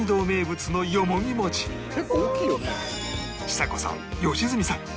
ちさ子さん良純さん